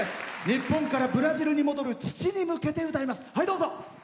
日本からブラジルに戻る父に向けて歌います。